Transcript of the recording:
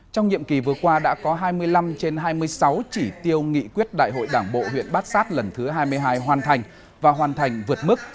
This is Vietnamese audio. trong nhiệm kỳ vừa qua đã có hai mươi năm trên hai mươi sáu chỉ tiêu nghị quyết đại hội đảng bộ huyện bát sát lần thứ hai mươi hai hoàn thành và hoàn thành vượt mức